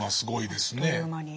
あっという間に。